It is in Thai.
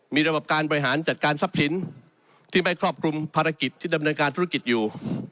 มีระบบการบริหารจัดการทรัพย์สินที่ไม่ครอบคลุมภารกิจที่ดำเนินการธุรกิจอยู่